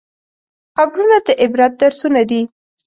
قبرونه د عبرت درسونه دي.